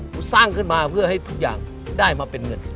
ผมสร้างขึ้นมาเพื่อให้ทุกอย่างได้มาเป็นเงิน